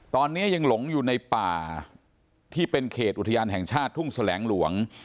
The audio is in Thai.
ตอนนี้ยังหลงอยู่ในป่าที่เป็นเขตอุทยานแห่งชาติทุ่งแสลงหลวง